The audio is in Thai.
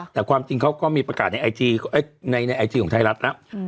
แต่ความจริงเขาก็มีประกาศในไอจีของไทยรัฐแล้ว